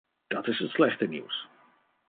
Dat is het slechte nieuws.